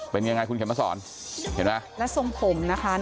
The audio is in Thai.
เป็นยังไงคุณเข็มมาสอนเห็นไหมแล้วทรงผมนะคะ